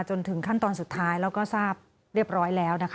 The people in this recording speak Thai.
จนถึงขั้นตอนสุดท้ายแล้วก็ทราบเรียบร้อยแล้วนะคะ